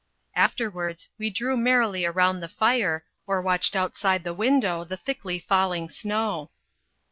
Afterwards we drew merrily round the fire, or watched outside the window the thickly falling snow.